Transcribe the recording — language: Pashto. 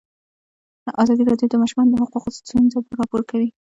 ازادي راډیو د د ماشومانو حقونه ستونزې راپور کړي.